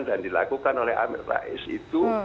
dan dilakukan oleh amir rais itu